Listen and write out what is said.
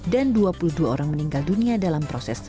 dan dua puluh dua orang meninggal dunia dalam proses